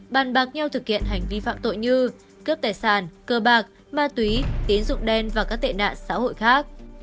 bàn bạc nhau thực hiện hành vi phạm tội như cướp tài sản cơ bạc ma túy tín dụng đen và các tệ nạn xã hội khác